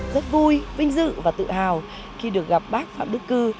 rất vui vinh dự và tự hào khi được gặp bác phạm đức cư